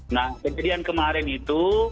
nah kejadian kemarin itu